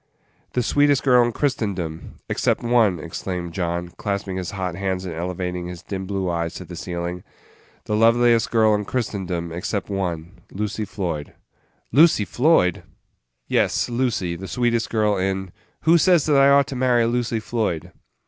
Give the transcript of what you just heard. "The sweetest girl in Christendom except one," exclaimed John, clasping his hot hands and elevating his dim blue eyes to the ceiling; "the loveliest girl in Christendom, except one Lucy Floyd." "Lucy Floyd!" "Yes, Lucy; the sweetest girl in " "Who says that I ought to marry Lucy Floyd?"